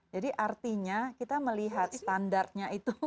jadi artinya kita melihat standarnya itu